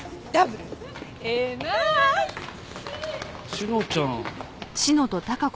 志乃ちゃん。